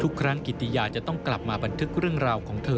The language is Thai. ทุกครั้งกิติยาจะต้องกลับมาบันทึกเรื่องราวของเธอ